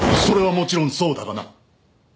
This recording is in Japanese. それはもちろんそうだがな！